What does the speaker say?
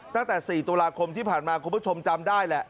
ตั้งแต่๔ตุลาคมที่ผ่านมาคุณผู้ชมจำได้แหละ